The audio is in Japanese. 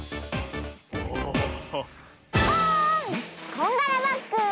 こんがらバッグ！